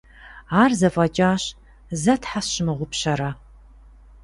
Ар зэфӏэкӏащ, зэ тхьэ сщымыгъупщэрэ?